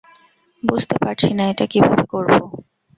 বুঝতে পারছি না এটা কীভাবে করবো।